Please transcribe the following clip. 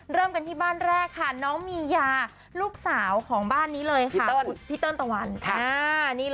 เริ่มกันที่บ้านแรกค่ะน้องมียาลูกสาวของบ้านนี้เลยค่ะพี่เติ้ลตะวันค่ะ